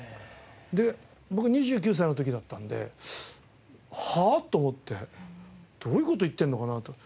で僕２９歳の時だったので「はあ？」と思って「どういう事言ってるのかな？」と。